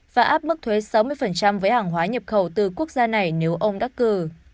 và áp mức thuế sáu mươi với hàng hóa nhập khẩu từ quốc gia này nếu ông đắc cử